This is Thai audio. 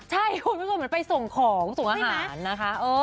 ใช่เหมือนไปส่งของส่งอาหารนะคะ